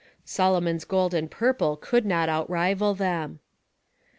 Solomon's gold and purple could not outrival them.